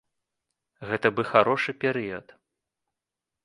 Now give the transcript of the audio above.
Гэта бы харошы перыяд.